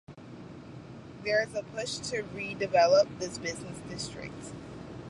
There is a push to redevelop this business district.